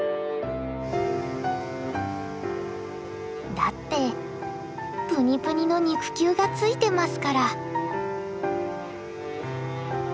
だってプニプニの肉球がついてますから。